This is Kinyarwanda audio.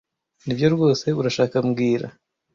Nibyo rwose urashaka mbwira